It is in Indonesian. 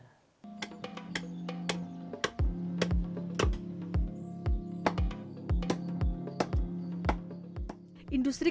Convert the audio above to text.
kerajinan batik kayu di krebet disini pertama